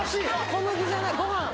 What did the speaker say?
小麦じゃないごはん。